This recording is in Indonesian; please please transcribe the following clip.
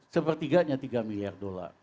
sepertiganya tiga miliar dolar